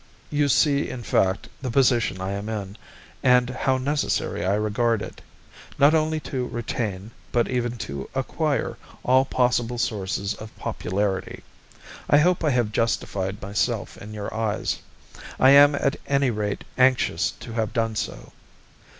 You see in fact the position I am in, and how necessary I regard it, not only to retain but even to acquire all possible sources of popularity. I hope I have justified myself in your eyes, I am at any rate anxious to have done so.